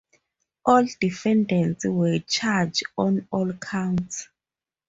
All defendants were charged on all counts.